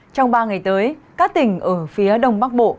trong ba ngày tới các tỉnh ở phía đông bắc bộ